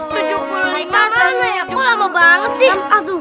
kok lama banget sih